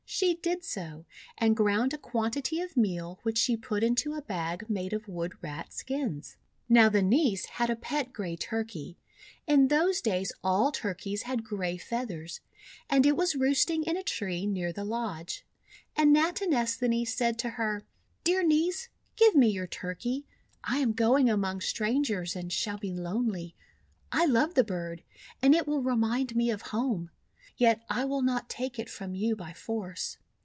She did so, and ground a quantity of meal, which she put into a bag made of Wood Rat skins. THE TURKEY GIVEN CORN 361 Now the niece had a pet grey Turkey — in those days all Turkeys had grey feathers — and it was roosting in a tree near the lodge. And Natinesthani said to her: — "Dear Niece, give me your Turkey. I am going among strangers, and shall be lonely. I love the bird, and it will remind me of home. Yet I will not take it from you by force."